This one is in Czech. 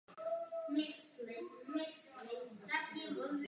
Pár let po překročení tisíciletí začal nu metal ustupovat do pozadí.